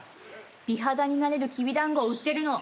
美肌になれるきびだんごを売ってるの。